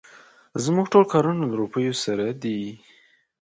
زموږ ټول کار له روپيو سره دی.